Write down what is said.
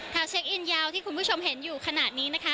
เช็คอินยาวที่คุณผู้ชมเห็นอยู่ขณะนี้นะคะ